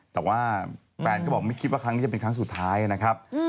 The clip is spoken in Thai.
แต่ว่าแฟนก็บอกไม่คิดว่าครั้งนี้จะเป็นครั้งสุดท้ายนะครับ